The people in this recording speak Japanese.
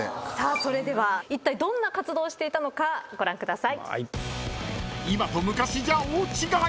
それではいったいどんな活動をしていたのかご覧ください。